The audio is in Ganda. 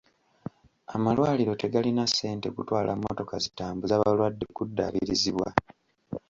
Amalwaliro tegalina ssente kutwala mmotoka zitambuza balwadde kuddaabirizibwa.